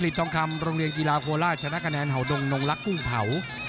ทองคำโรงเรียนกีฬาโคล่าชนะคะแนนเห่าดงนงลักษ์กุ้งเผา